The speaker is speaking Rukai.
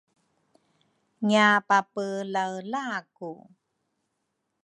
ngiapapelaelaku.